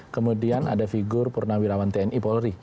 kemudian ada figur purnawirawan tni polri